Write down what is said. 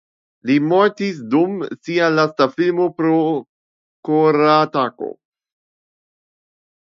Li mortis dum sia lasta filmo pro koratako.